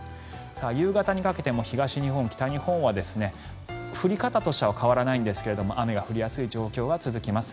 夕方にかけても東日本、北日本は降り方としては変わらないんですが雨が降りやすい状況は続きます。